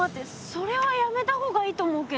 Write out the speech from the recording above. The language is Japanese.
それはやめた方がいいと思うけど。